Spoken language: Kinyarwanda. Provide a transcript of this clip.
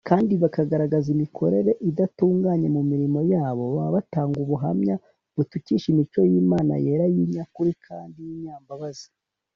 kandi bakagaragaza imikorere idatunganye mu mirimo yabo, baba batanga ubuhamya butukisha imico y’imana yera, y’inyakuri kandi y’inyambabazi